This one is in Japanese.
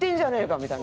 みたいな。